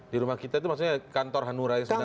di rumah kita itu maksudnya kantor hanura yang sebenarnya